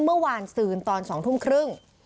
เมื่อคืนซืนตอน๒ทุ่มครึ่ง